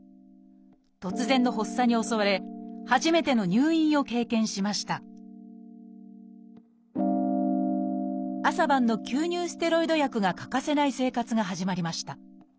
突然の発作に襲われ初めての入院を経験しました朝晩の吸入ステロイド薬が欠かせない生活が始まりました。